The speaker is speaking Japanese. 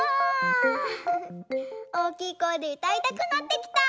おおきいこえでうたいたくなってきた。